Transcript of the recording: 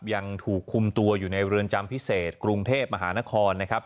ยังถูกคุมตัวอยู่ในเรือนจำพิเศษกรุงเทพมหานครนะครับ